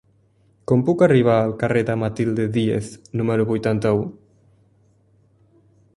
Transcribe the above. Com puc arribar al carrer de Matilde Díez número vuitanta-u?